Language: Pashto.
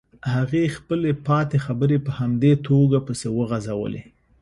هغې خپلې پاتې خبرې په همدې توګه پسې وغزولې.